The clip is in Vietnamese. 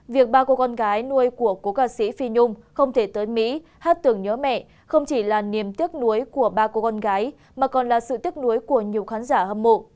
việc ba cô con gái nuôi của cố ca sĩ phi nhung không thể tới mỹ hát tưởng nhớ mẹ không chỉ là niềm tiếc nuối của ba cô con gái mà còn là sự tiếc nuối của nhiều khán giả hâm mộ